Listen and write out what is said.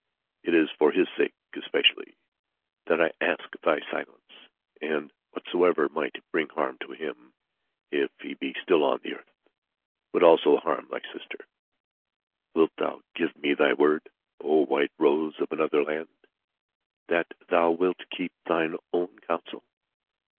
It is for his sake especially that I ask thy silence; and whatsoever might bring harm to him if he be still upon the earth would also harm thy sister. Wilt thou give me thy word, O White Rose of another land, that thou wilt keep thine own counsel?"